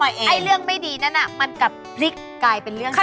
ป้ากว่าไอ้เรื่องไม่ดีนั้นอะมันกับพริกกลายเป็นเรื่องดี